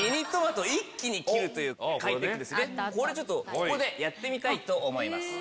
ここでやってみたいと思います。